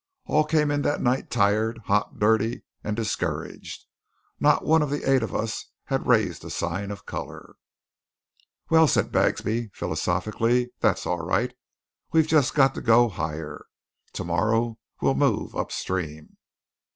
All came in that night tired, hot, dirty, and discouraged. Not one of the eight of us had raised a sign of colour. "Well," said Bagsby philosophically, "that's all right. We've just got to go higher. To morrow we'll move upstream."